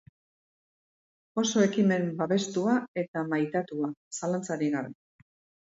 Oso ekimen babestua eta maitatua, zalantzarik gabe.